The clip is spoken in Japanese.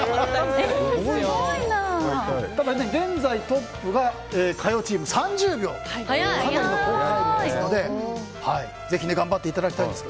現在トップが火曜チーム３０秒とかなりの好タイムですのでぜひ頑張っていただきたいです。